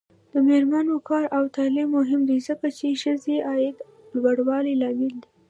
د میرمنو کار او تعلیم مهم دی ځکه چې ښځو عاید لوړولو لامل دی.